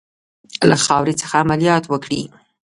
له خاورې څخه عملیات وکړي.